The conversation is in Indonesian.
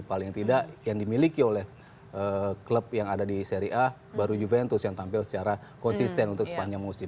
paling tidak yang dimiliki oleh klub yang ada di seri a baru juventus yang tampil secara konsisten untuk sepanjang musim